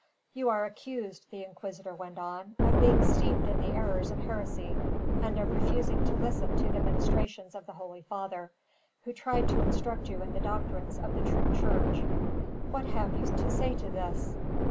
"You are accused," the inquisitor went on, "of being steeped in the errors of heresy; and of refusing to listen to the ministrations of the holy father, who tried to instruct you in the doctrines of the true church. What have you to say to this?"